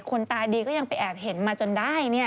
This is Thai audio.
คนตาดีก็ยังไปอาบเห็นมาจนได้ไง